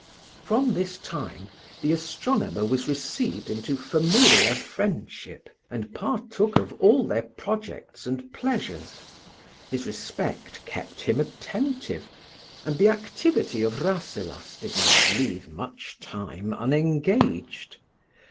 From this time the astronomer was received into familiar friendship, and partook of all their projects and pleasures; his respect kept him attentive, and the activity of Rasselas did not leave much time unengaged.